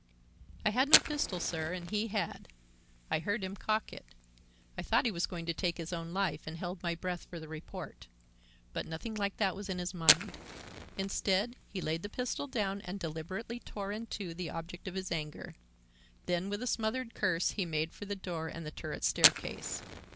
"I had no pistol, sir, and he had. I heard him cock it. I thought he was going to take his own life, and held my breath for the report. But nothing like that was in his mind. Instead, he laid the pistol down and deliberately tore in two the object of his anger. Then with a smothered curse he made for the door and turret staircase.